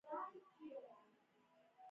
ازادي راډیو د سوله په اړه د ننګونو یادونه کړې.